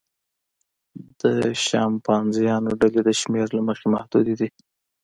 د شامپانزیانو ډلې د شمېر له مخې محدودې وي.